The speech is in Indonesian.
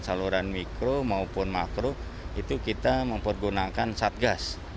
saluran mikro maupun makro itu kita mempergunakan satgas